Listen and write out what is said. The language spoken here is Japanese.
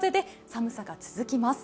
寒さが続きます。